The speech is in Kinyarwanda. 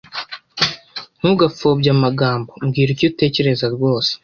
Ntugapfobye amagambo. Mbwira icyo utekereza rwose.